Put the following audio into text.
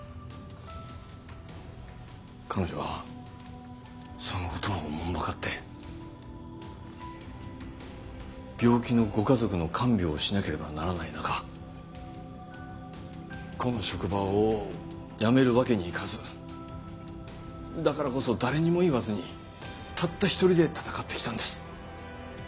彼女はその事をおもんばかって病気のご家族の看病をしなければならない中この職場を辞めるわけにはいかずだからこそ誰にも言わずにたった一人で闘ってきたんです。